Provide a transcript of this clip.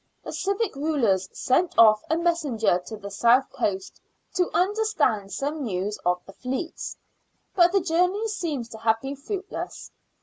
The civic rulers sent off a messenger to the South Coast " to understand some news of the fleets," but the journey seems to have been fruitless.